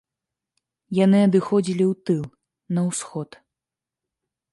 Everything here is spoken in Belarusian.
Яны адыходзілі ў тыл, на ўсход.